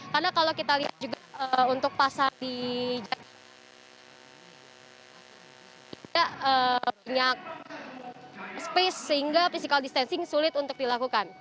karena kalau kita lihat juga untuk pasar di jakarta tidak punya space sehingga physical distancing sulit untuk dilakukan